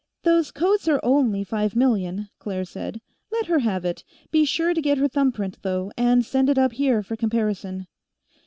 "Those coats are only five million," Claire said. "Let her have it; be sure to get her thumbprint, though, and send it up here for comparison."